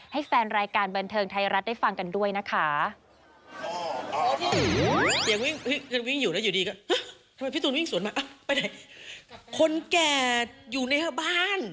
ให้แฟนรายการบันเทิงไทยรัฐได้ฟังกันด้วยนะคะ